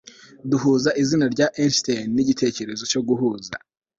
duhuza izina rya einstein nigitekerezo cyo guhuza